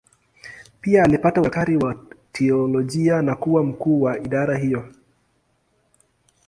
Pia alipata udaktari wa teolojia na kuwa mkuu wa idara hiyo.